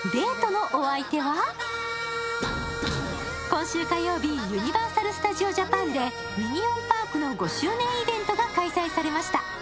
今週火曜日、ユニバーサル・スタジオ・ジャパンでミニオンパークの５周年イベントが開催されました。